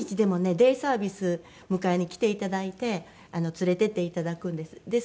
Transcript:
デイサービス迎えに来ていただいて連れていっていただくんです。